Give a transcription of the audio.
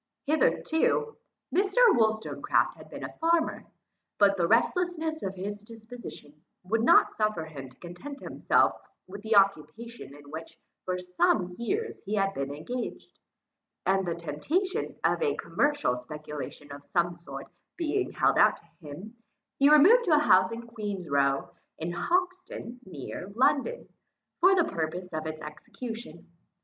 Hitherto Mr. Wollstonecraft had been a farmer; but the restlessness of his disposition would not suffer him to content himself with the occupation in which for some years he had been engaged, and the temptation of a commercial speculation of some sort being held out to him, he removed to a house in Queen's Row, in Hoxton near London, for the purpose of its execution.